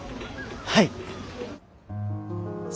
はい。